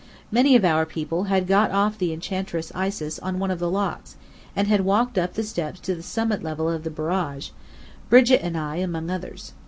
Many of our people had got off the Enchantress Isis in one of the locks, and had walked up the steps to the summit level of the Barrage, Brigit and I among others.